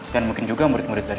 dan mungkin juga murid murid dari